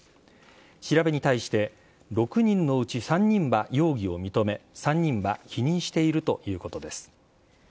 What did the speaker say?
調べに対して、６人のうち３人は容疑を認め、３人は否認しているということです。